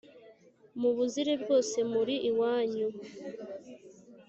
mubuzire bwose muri iwanyu